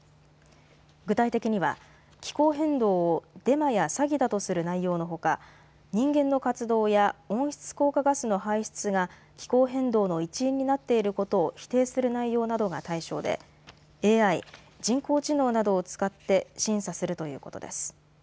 具体的には気候変動をデマや詐欺だとする内容のほか人間の活動や温室効果ガスの排出が気候変動の一因になっていることを否定する内容などが対象でＡＩ・人工知能などを使って審査するということです。